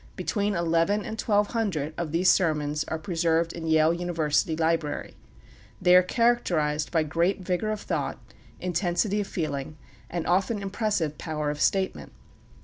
Between eleven and twelve hundred of these sermons are preserved in Yale University Library. They are characterized by great vigor of thought, intensity of feeling, and often impressive power of statement.